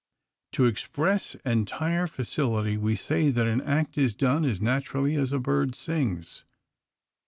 To express entire facility we say that an act is done as naturally as a bird sings.